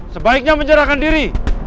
sebaiknya menyerahkan diri